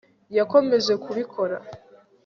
yakomeje kubikora